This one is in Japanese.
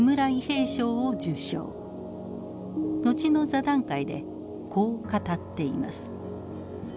後の座談会でこう語っています。